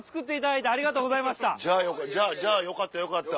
じゃあよかったよかった。